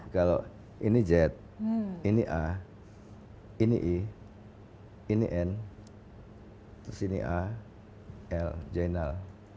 kalau ini z ini a ini i ini n terus ini a l jainal